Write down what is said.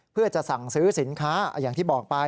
เพื่อจะสั่งซื้อสินค้าอย่างที่บอกไป